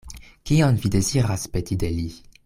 Kion vi deziras peti de li?